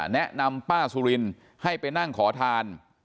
แนะนำป้าสุรินให้ไปนั่งขอทาน